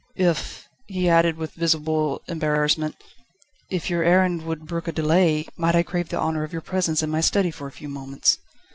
"If ..." he added, with visible embarrassment, "if your errand would brook a delay, might I crave the honour of your presence in my study for a few moments?"